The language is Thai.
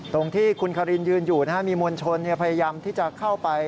ตรงที่คุณคารินยืนอยู่มีมวลชนพยายามที่จะเข้าไป